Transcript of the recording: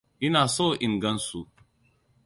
Ina so in gan su!